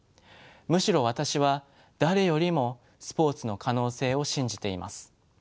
むしろ私は誰よりもスポーツの可能性を信じています。